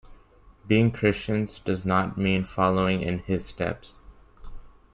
Being Christians does not mean following 'in his steps.